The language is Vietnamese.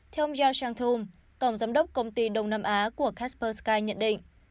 theo miao chang thung tổng giám đốc công ty đông nam á của casper sky nhận định